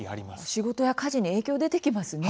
仕事や家事に影響出てきますね。